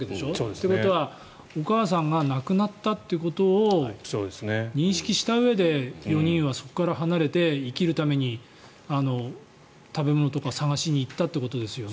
ということは、お母さんが亡くなったっていうことを認識したうえで４人はそこから離れて生きるために食べ物とかを探しに行ったということですよね。